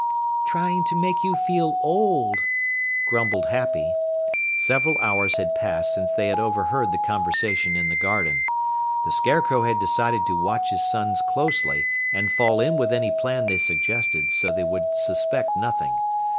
"Trying to make you feel old," grumbled Happy. Several hours had passed since they had overheard the conversation in the garden. The Scarecrow had decided to watch his sons closely and fall in with any plan they suggested so they would suspect nothing.